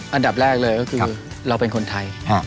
อันดับแรกเลยก็คือเราเป็นคนไทย